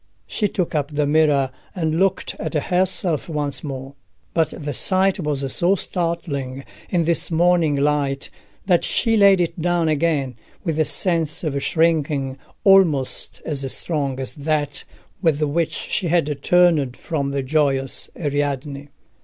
She took up the mirror, and looked at herself once more. But the sight was so startling in this morning light that she laid it down again, with a sense of shrinking almost as strong as that with which she had turned from the joyous Ariadne.